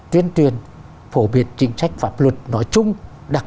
tuyên truyền phổ biệt chính sách pháp luật nói chung đặc